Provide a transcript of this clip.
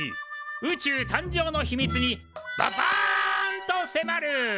宇宙誕生の秘密にバ『バーン』と迫る」。